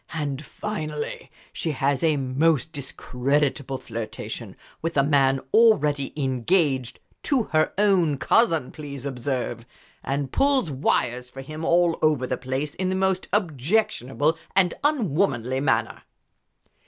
And finally she has a most discreditable flirtation with a man already engaged to her own cousin, please observe! and pulls wires for him all over the place in the most objectionable and unwomanly manner."